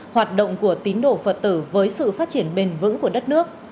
hoạt động của tín đồ phật tử với sự phát triển bền vững của đất nước